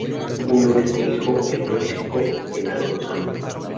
Tuvo un único hijo, el músico Genaro Lozano.